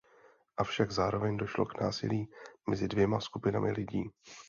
Avšak zároveň došlo k násilí mezi dvěma skupinami lidí.